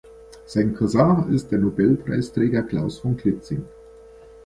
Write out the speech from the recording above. Sein Cousin ist der Nobelpreisträger Klaus von Klitzing.